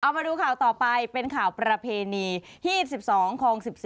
เอามาดูข่าวต่อไปเป็นข่าวประเพณีที่๑๒ของ๑๔